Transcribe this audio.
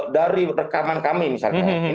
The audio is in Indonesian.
dari rekaman kami misalnya